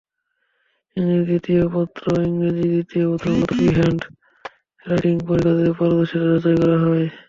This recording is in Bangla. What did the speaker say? ইংরেজি দ্বিতীয় পত্রইংরেজি দ্বিতীয় পত্রে মূলত ফ্রি-হ্যান্ড রাইটিংয়ে পরীক্ষার্থীর পারদর্শিতা যাচাই করা হয়।